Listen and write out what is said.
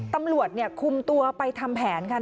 ตำรวจคุมตัวไปทำแผนค่ะ